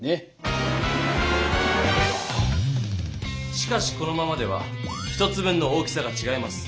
しかしこのままでは１つ分の大きさがちがいます。